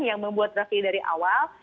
yang membuat draft dari awal